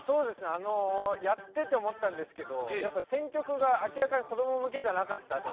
あのやってて思ったんですけどやっぱり選曲が明らかに子ども向けじゃなかったと。